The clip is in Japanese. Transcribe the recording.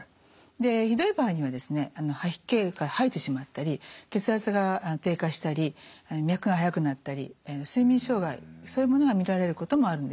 ひどい場合には吐き気吐いてしまったり血圧が低下したり脈が速くなったり睡眠障害そういうものが見られることもあるんです。